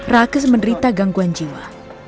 rake menderita gangguan jiwa